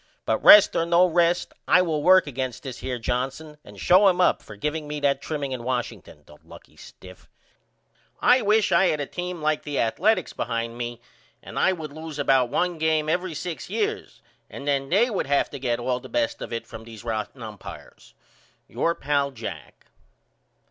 But rest or no rest I will work against this here Johnson and show him up for giveing me that trimming in Washington, the lucky stiff. I wish I had a team like the Athaletics behind me and I would loose about 1 game every 6 years and then they would have to get all the best of it from these rotten umpires. Your pal, JACK.